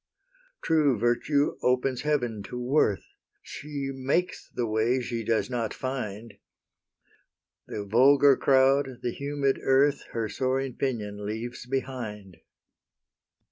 True Virtue opens heaven to worth: She makes the way she does not find: The vulgar crowd, the humid earth, Her soaring pinion leaves behind.